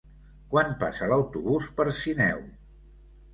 Quan passa l'autobús per Sineu?